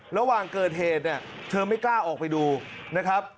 ระหว่างเกิดเหตุเนี่ยเธอไม่กล้าออกไปดูนะครับ